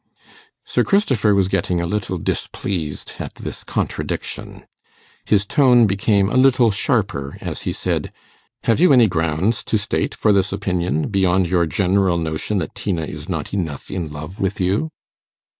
Sir Christopher was getting a little displeased at this contradiction. His tone became a little sharper as he said, 'Have you any grounds to state for this opinion, beyond your general notion that Tina is not enough in love with you?